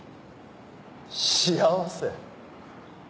幸せ？